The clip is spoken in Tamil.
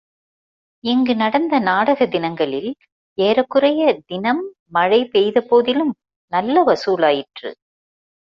இங்கு நடந்த நாடக தினங்களில், ஏறக்குறைய தினம் மழை பெய்தபோதிலும், நல்ல வசூலாயிற்று.